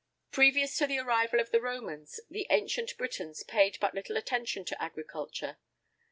Previous to the arrival of the Romans, the ancient Britons paid but little attention to agriculture.